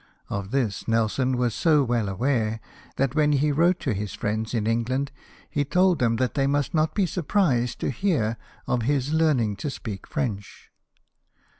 Of this Nelson was so Avell aware, that when he wrote to his friends in England, he told them they must not be surprised to hear of his learning to speak French.